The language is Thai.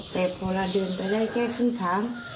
แต่พออะไรเร่งไปได้แค่พึ่งทาง